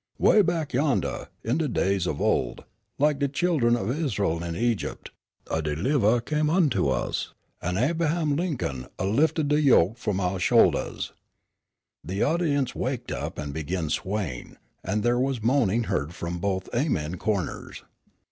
Away back yander, in de days of old, lak de chillen of Is'ul in Egypt, a deliv'ah came unto us, an Ab'aham Lincoln a lifted de yoke f'om ouah shouldahs." The audience waked up and began swaying, and there was moaning heard from both Amen corners.